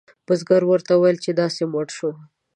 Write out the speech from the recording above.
بزګر ورته وویل چې داسې مړ شو.